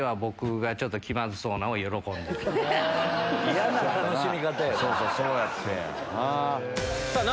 嫌な楽しみ方やな。